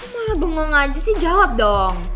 kamu malah bengong aja sih jawab dong